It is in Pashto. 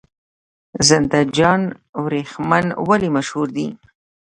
زنده جان وریښم ولې مشهور دي؟